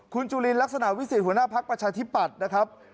คุณจุลินลักษณะวิสิทธิหัวหน้าภักดิ์ประชาธิปัตย์นะครับ